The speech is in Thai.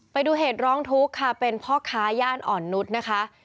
ไปดูเหตุร้องทุกข์ค่ะเป็นพ่อค้าย่านอ่อนนุษย์นะคะ